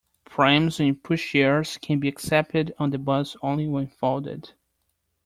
Prams and pushchairs can be accepted on the bus only when folded